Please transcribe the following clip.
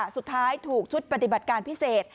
สุดท้ายถูกชุดปฏิบัติการพิเศษ